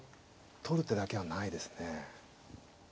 取る手だけはないですね。